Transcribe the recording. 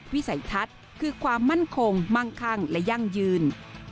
วิสัยทัศน์คือความมั่นคงมั่งคั่งและยั่งยืน